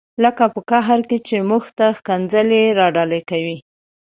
لکه په قهر کې چې موږ ته ښکنځلې را ډالۍ کوي.